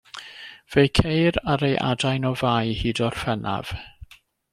Fe'i ceir ar ei adain o Fai hyd Orffennaf.